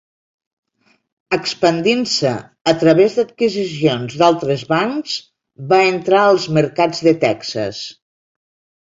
Expandint-se a través d'adquisicions d'altres bancs, va entrar als mercats de Texas.